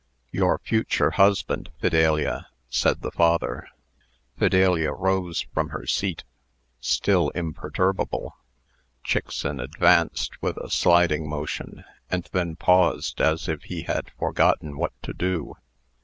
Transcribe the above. "Your future husband, Fidelia," said the father. Fidelia rose from her seat still imperturbable. Chickson advanced with a sliding motion, and then paused, as if he had forgotten what to do.